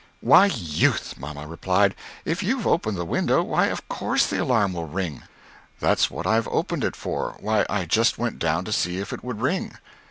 "Why, Youth," mamma replied "if you've opened the window, why of coarse the alarm will ring!" "That's what I've opened it for, why I just went down to see if it would ring!"